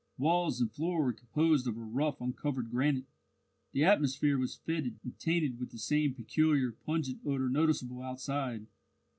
Walls and floor were composed of rough uncovered granite. The atmosphere was fetid, and tainted with the same peculiar, pungent odour noticeable outside.